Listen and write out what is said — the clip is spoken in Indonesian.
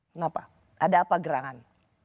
kenapa ada apa gerangan